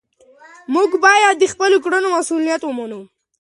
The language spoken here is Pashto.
موږ باید د خپلو کړنو مسؤلیت ومنو.